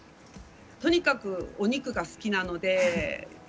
とにかくお肉が好きなので。